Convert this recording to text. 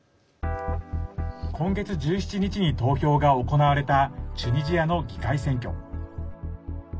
今月１７日に投票が行われたチュニジアの議会選挙。